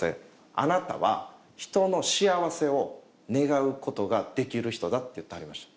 あなたは人の幸せを願うことができる人だって言ってはりました。